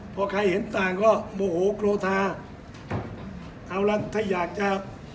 พอใครเห็นต่างก็โมโหกรทาเอาละถ้าอยากจะ